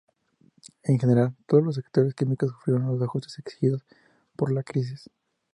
En general, todos los sectores químicos sufrieron los ajustes exigidos por la crisis.